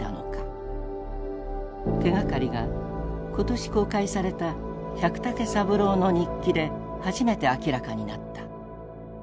手がかりが今年公開された百武三郎の日記で初めて明らかになった。